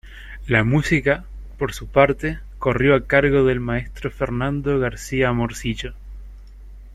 La música, por su parte, corrió a cargo del maestro Fernando García Morcillo.